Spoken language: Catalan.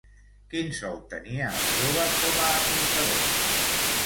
Quin sou tenia el jove com a apuntador?